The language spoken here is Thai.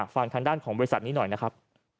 ฟังทางด้านของบริษัทนี้หน่อยนะครับ